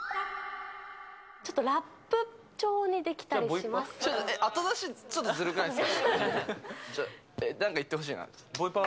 ちょっとラップ調にできたりしまじゃ、ボイパ？